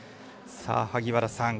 さあ萩原さん